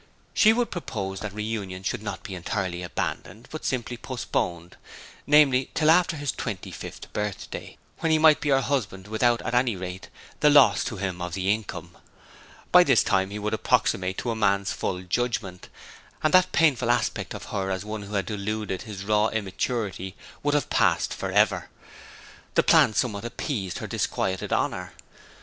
She would propose that reunion should not be entirely abandoned, but simply postponed namely, till after his twenty fifth birthday when he might be her husband without, at any rate, the loss to him of the income. By this time he would approximate to a man's full judgment, and that painful aspect of her as one who had deluded his raw immaturity would have passed for ever. The plan somewhat appeased her disquieted honour.